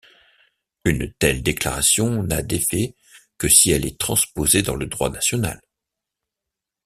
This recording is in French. Une telle déclaration n'a d'effet que si elle est transposée dans le droit national.